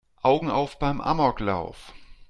Augen auf beim Amoklauf!